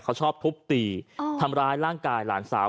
เขาชอบทุบตีทำร้ายร่างกายหลานสาว